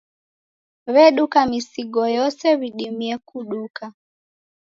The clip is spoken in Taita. W'eduka misigo yose w'idimie kuduka.